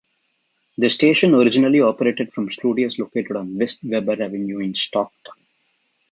The station originally operated from studios located on West Weber Avenue in Stockton.